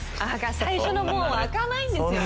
最初の門は開かないんですよね。